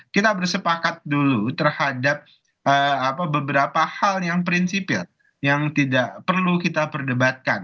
kita bersepakat dulu terhadap beberapa hal yang prinsipil yang tidak perlu kita perdebatkan